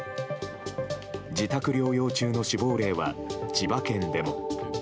自宅療養中の死亡例は千葉県でも。